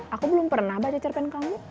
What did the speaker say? aku belum pernah baca cerpen kamu